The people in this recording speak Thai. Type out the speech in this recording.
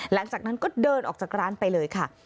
หลังจากนั้นก็เดินออกจากร้านไปเลยค่ะ